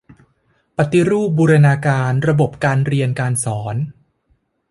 ปฏิรูปบูรณาการระบบการเรียนการสอน